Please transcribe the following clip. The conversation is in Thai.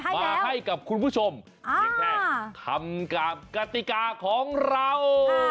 มาให้กับคุณผู้ชมอย่างแท้คำกราบกติกาของเรา